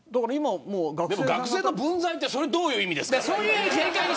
学生の分際ってそれどういう意味ですか。